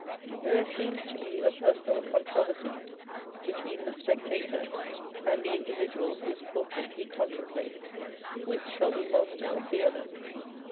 There seems to be a personal con troversy between the spectator and the individual whose portrait he contemplates, which shall be master of the other.